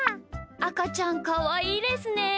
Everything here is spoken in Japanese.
あかちゃんかわいいですね。